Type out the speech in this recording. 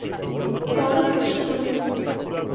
বড়ো খুশি হলেম।